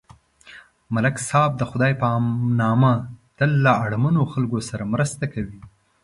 ملک صاحب د خدای په نامه تل له اړمنو خلکو سره مرسته کوي.